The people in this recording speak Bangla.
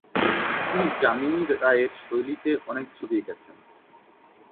তিনি যামিনী রায়ের শৈলীতে অনেক ছবি এঁকেছেন।